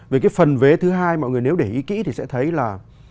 về cái phần vế thứ hai mọi người nếu để ý kỹ thì sẽ thấy là